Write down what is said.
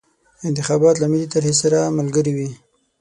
انتخابات له ملي طرحې سره ملګري وي.